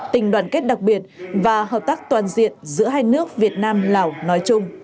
tình đoàn kết đặc biệt và hợp tác toàn diện giữa hai nước việt nam lào nói chung